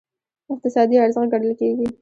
اقتصادي ارزښت ګڼل کېږي.